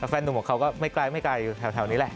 แฟนหนุ่มของเขาก็ไม่ไกลไม่ไกลอยู่แถวนี้แหละ